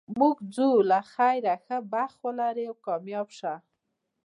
موږ ځو له خیره، ښه بخت ولرې، کامیاب شه.